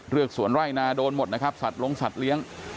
เลือกสวนไล่นาโดนหมดนะครับสัตว์ลงสัตว์เลี้ยง